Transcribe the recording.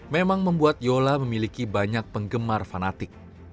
memang membuat yola memiliki banyak penggemar fanatik